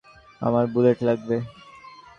আমার বুলেট লাগবে।